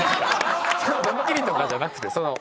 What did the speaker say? ドッキリとかじゃなくてその。